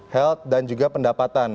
health dan juga pendapatan